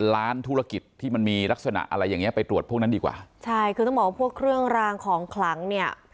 ล้านธุรกิจที่มันมีลักษณะอะไรอย่างเงี้ไปตรวจพวกนั้นดีกว่าใช่คือต้องบอกว่าพวกเครื่องรางของขลังเนี่ย